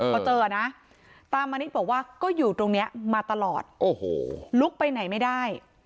พอเจอนะตามนิดบอกว่าก็อยู่ตรงนี้มาตลอดโอ้โหลุกไปไหนไม่ได้